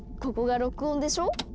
ここが録音でしょ。